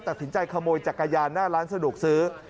ตัดสินใจขโมยจักรยานหน้าร้านสะดวกซื้อ